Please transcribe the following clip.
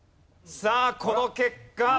さあこの結果。